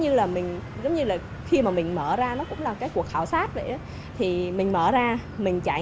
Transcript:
như là mình giống như là khi mà mình mở ra nó cũng là cái cuộc khảo sát vậy thì mình mở ra mình chạy